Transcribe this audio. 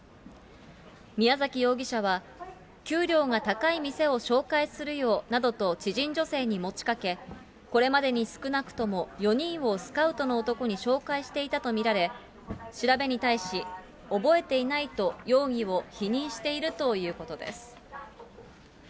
宮崎容疑者は給料が高い店を紹介するよなどと知人女性に持ちかけ、これまでに少なくとも４人をスカウトの男に紹介していたと見られ、調べに対し、覚えていないと、容疑を否認しているということです。